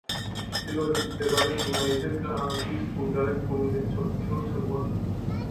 ჩრდილოეთით მდინარე დუნაიზე გადის ბულგარეთ-რუმინეთის ოფიციალური საზღვარი.